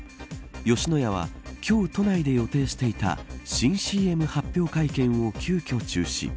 吉野家は今日、都内で予定していた新ＣＭ発表会見を急きょ中止。